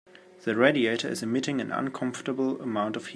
That radiator is emitting an uncomfortable amount of heat.